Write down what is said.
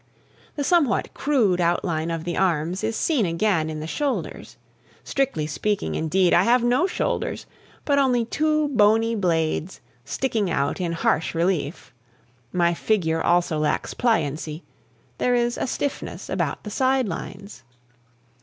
The somewhat crude outline of the arms is seen again in the shoulders. Strictly speaking, indeed, I have no shoulders, but only two bony blades, standing out in harsh relief. My figure also lacks pliancy; there is a stiffness about the side lines.